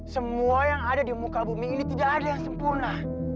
semua yang ada di muka bumi ini tidak ada yang sempurna